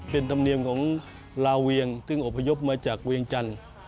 เป็นธรรมเนียมของลาเวียงซึ่งอพยพมาจากเวียงจันทร์